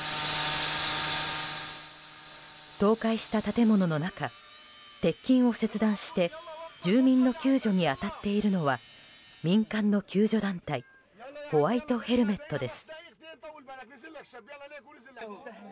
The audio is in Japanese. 倒壊した建物の中鉄筋を切断して住民の救助に当たっているのは民間の救助団体ホワイトヘルメットです。